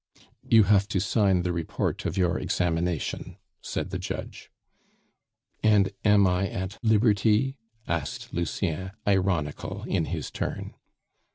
"You have to sign the report of your examination," said the judge. "And am I at liberty?" asked Lucien, ironical in his turn.